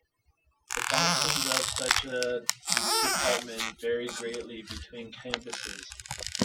The functions of such a department vary greatly between campuses.